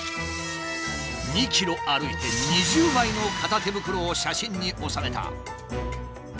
２ｋｍ歩いて２０枚の片手袋を写真に収めた。